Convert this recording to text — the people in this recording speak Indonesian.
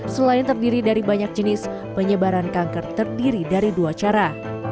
selain terdiri dari banyak jenis penyebaran kanker terdiri dari dua cara